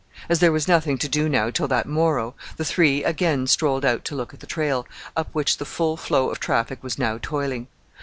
As there was nothing to do now till that morrow, the three again strolled out to look at the trail, up which the full flow of traffic was now toiling.